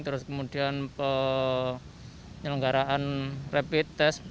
terus kemudian penyelenggaraan rapid test